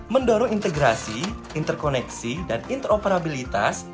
mendorong integrasi interkoneksi dan interoperabilitas